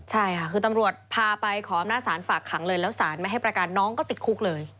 ใช่ค่ะคือตำรวจพาไปขออำนาจศาลฝากขังเลยแล้วสารไม่ให้ประกันน้องก็ติดคุกเลย